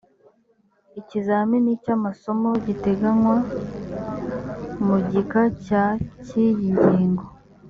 ikizamini cy amasomo giteganywa mu gika cya cy iyi ngingo